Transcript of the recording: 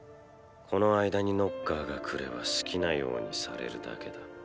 この間にノッカーが来れば好きなようにされるだけだ。